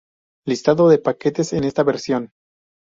Listado de paquetes en esta versión.